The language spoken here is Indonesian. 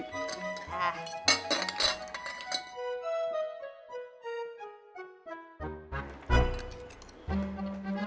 lo udah makan ga deh